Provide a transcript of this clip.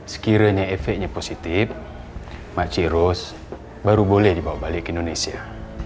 sekiranya efeknya positif matirus baru boleh dibawa balik ke indonesia